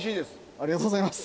ありがとうございます。